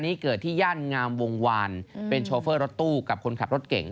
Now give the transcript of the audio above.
ไปดูภาพกันก่อน